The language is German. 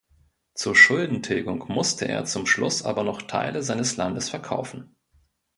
Zur Schuldentilgung musste er zum Schluss aber noch Teile seines Landes verkaufen.